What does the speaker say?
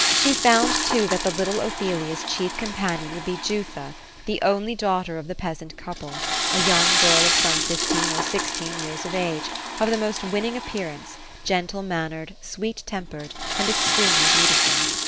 She found, too, that the little Ophelia's chief companion would be Jutha, the only daughter of the peasant couple — a young girl of some fifteen or sixteen years of age, of the most winning appearance, gen tie man* nered, sweet tempered, and extremely beautiful.